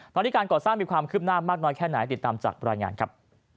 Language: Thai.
ตอนนี้การก่อสร้างมีความคืบหน้ามากน้อยแค่ไหนติดตามจากรายงานครับ